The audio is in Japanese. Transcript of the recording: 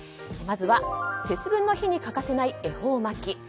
まずは、節分の日に欠かせない恵方巻き。